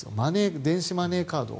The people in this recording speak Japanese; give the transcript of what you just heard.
電子マネーカードを。